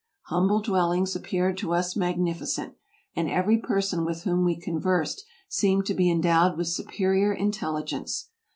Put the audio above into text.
Humble dwellings ap peared to us magnificent ; and every person with whom we conversed seemed to be endowed with superior intelligence.